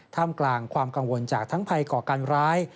ท่ามกลางความกังวลจากทั้งภัยก่อการร้าย